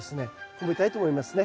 褒めたいと思いますね。